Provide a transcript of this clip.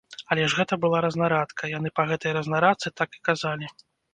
Але ж гэта была разнарадка, яны па гэтай разнарадцы так і казалі.